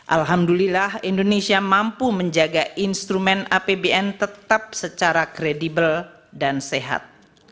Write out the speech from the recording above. alhamdulillah indonesia mampu menjaga instrumen apbn tetap secara kredibel dan sehat